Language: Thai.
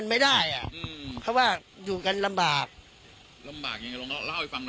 ก็คิดเกิดขนาดแล้ว